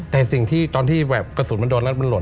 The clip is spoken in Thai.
แต่สิ่งที่ตอนที่แบบกระสุนมันโดนแล้วมันหล่น